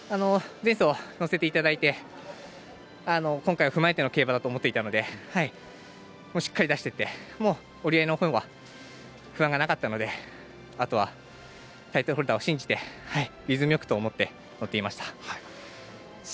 レースを乗せていただいて今回を踏まえた競馬だと思っていたのでしっかり出していって折り合いのほうは不安がなかったのであとはタイトルホルダーを信じてリズムよくと思って乗っていました。